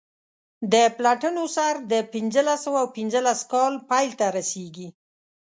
د پلټنو سر د پنځلس سوه پنځلس کال پیل ته رسیږي.